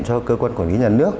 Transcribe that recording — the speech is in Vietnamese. cho cơ quan quản lý nhà nước